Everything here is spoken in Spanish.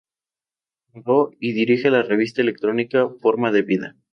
Fundó y dirige la revista electrónica "Forma de Vida".